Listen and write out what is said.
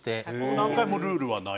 何回もルールはない？